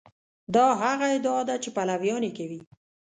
دا هغه ادعا ده چې پلویان یې کوي.